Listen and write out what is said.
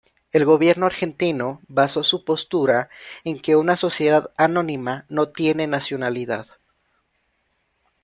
El gobierno argentino basó su postura en que una sociedad anónima no tiene nacionalidad.